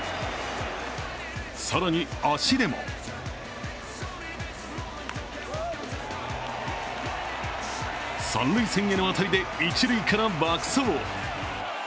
更に足でも三塁線への当たりで一塁から爆走。